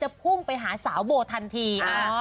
พุ่งไปหาสาวโบทันที